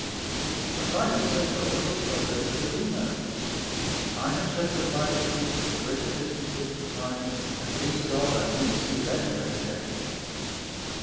But life is so full of crooks, old lady, that who knows? I have said good bye to people for greater distances and times, and, please God, I mean to see them yet again.